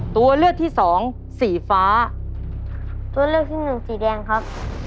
ตัวเลือกที่สองสีฟ้าตัวเลือกที่หนึ่งสีแดงครับ